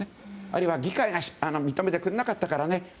あるいは議会が認めてくれなかったからね